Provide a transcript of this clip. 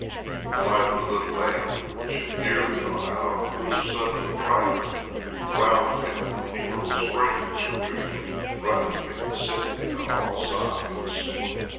The light of the little lamp, which had nearly gone out, grew suddenly brighter. Around him innumerable springs were trickling, running and descending on all sides.